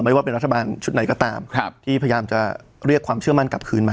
ว่าเป็นรัฐบาลชุดไหนก็ตามที่พยายามจะเรียกความเชื่อมั่นกลับคืนมา